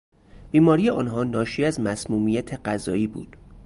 بیماری آنها ناشی از مسمومیت غذایی بود.